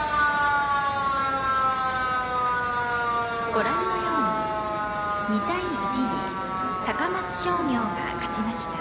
ご覧のように２対１で高松商業が勝ちました。